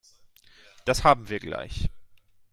Das haben wir gleich.